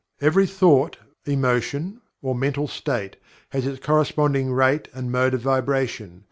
Every thought, emotion or mental state has its corresponding rate and mode of vibration.